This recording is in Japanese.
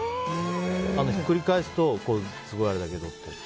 ひっくり返すとすごいあれだけどって。